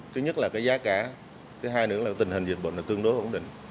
thứ nhất là giá cả thứ hai nữa là tình hình diễn bộ tương đối ổn định